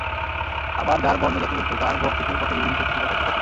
আবার যার বর্ণ যত উচ্চ, তার ভোগ-সুখের পথে বিধিনিষেধ ছিল তত কঠিন।